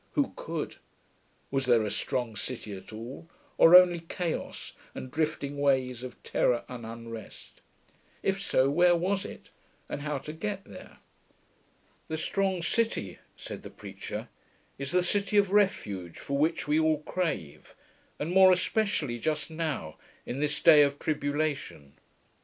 Who could? Was there a strong city at all, or only chaos and drifting ways of terror and unrest? If so, where was it, and how to get there? The strong city, said the preacher, is the city of refuge for which we all crave, and more especially just now, in this day of tribulation.